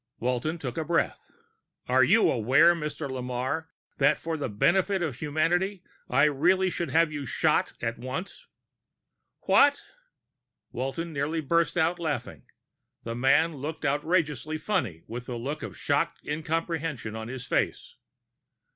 Walton took a deep breath. "Are you aware, Dr. Lamarre, that for the benefit of humanity I really should have you shot at once?" "What?" Walton nearly burst out laughing; the man looked outrageously funny with that look of shocked incomprehension on his face.